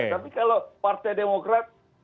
tapi kalau partai demokrat